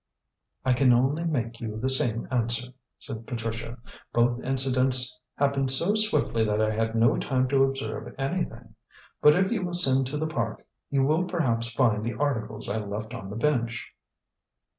"I can only make you the same answer," said Patricia. "Both incidents happened so swiftly that I had no time to observe anything. But if you will send to the Park you will perhaps find the articles I left on the bench."